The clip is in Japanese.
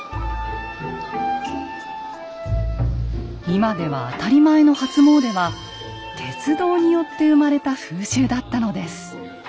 今では当たり前の「初詣」は鉄道によって生まれた風習だったのです。